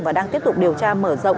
và đang tiếp tục điều tra mở rộng